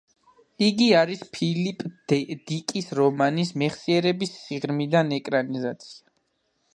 იგი არის ფილიპ დიკის რომანის „მეხსიერების სიღრმიდან“ ეკრანიზაცია.